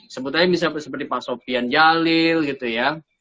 sebut aja misalnya seperti pak sofian jalil gitu ya